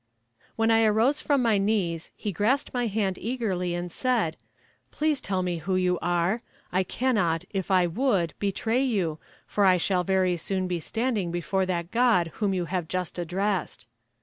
When I arose from my knees he grasped my hand eagerly and said: "Please tell me who you are. I cannot, if I would, betray you, for I shall very soon be standing before that God whom you have just addressed."